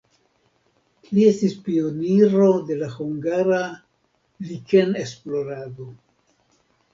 Li estis pioniro de la hungara likenesplorado.